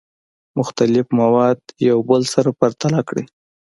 مختلف مواد یو بل سره پرتله کړئ.